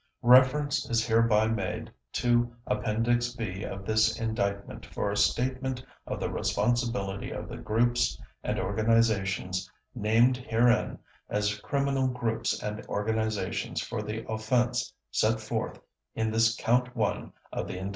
Reference is hereby made to Appendix B of this Indictment for a statement of the responsibility of the groups and organizations named herein as criminal groups and organizations for the offense set forth in this Count One of the Indictment.